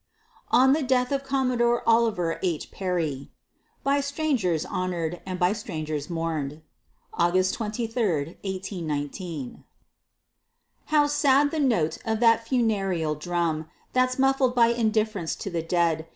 ON THE DEATH OF COMMODORE OLIVER H. PERRY By strangers honor'd, and by strangers mourn'd. [August 23, 1819] How sad the note of that funereal drum, That's muffled by indifference to the dead!